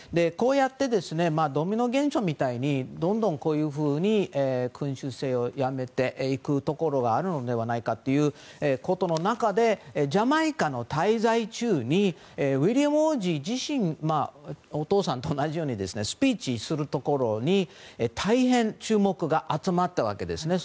こうやってドミノ現象みたいなどんどん、こういうふうに君主制をやめていくところがあるのではないかというところの中でジャマイカの滞在中にウィリアム王子自身がお父さんと同じようにスピーチするところに大変注目が集まったわけです。